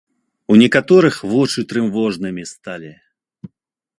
У некаторых вочы трывожнымі сталі.